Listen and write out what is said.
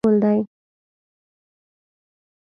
سړک د برابرۍ سمبول دی.